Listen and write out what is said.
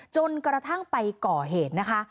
จนกระทั่งไปก่อเหตุนะคะ